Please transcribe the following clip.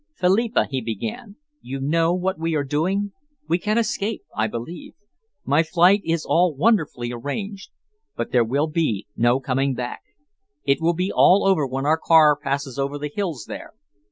"Philippa," he began, "you know what we are doing? We can escape, I believe. My flight is all wonderfully arranged. But there will be no coming back. It will be all over when our car passes over the hills there.